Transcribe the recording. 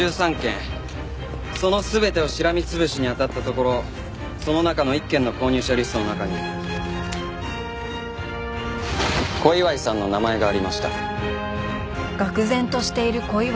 その全てをしらみ潰しに当たったところその中の一軒の購入者リストの中に小祝さんの名前がありました。